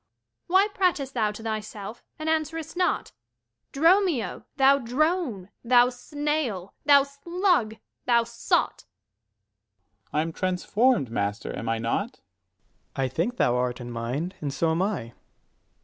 Luc. Why pratest thou to thyself, and answer'st not? Dromio, thou drone, thou snail, thou slug, thou sot! Dro. S. I am transformed, master, am I not? Ant. S. I think thou art in mind, and so am I.